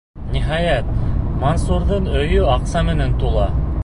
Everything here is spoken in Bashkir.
Ниһайәт, Мансурҙың өйө аҡса менән тула.